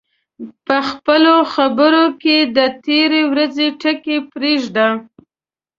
په خپلو خبرو کې د تېرې ورځې ټکي پرېږده